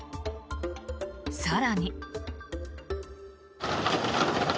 更に。